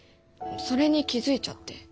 それに気付いちゃって。